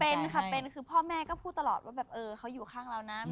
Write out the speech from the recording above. เป็นค่ะเป็นคือพ่อแม่ก็พูดตลอดว่าแบบเออเขาอยู่ข้างเรานะ